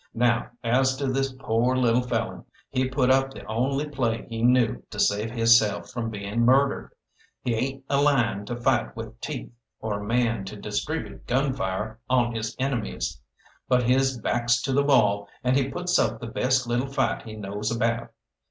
Now, as to this pore little felon, he put up the only play he knew to save hisself from being murdered. He ain't a lion to fight with teeth, or a man to distribute gunfire on his enemies; but his back's to the wall and he puts up the best little fight he knows about.